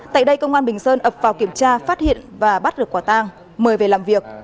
tại đây công an bình sơn ập vào kiểm tra phát hiện và bắt được quả tang mời về làm việc